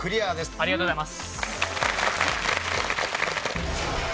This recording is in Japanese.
ありがとうございます。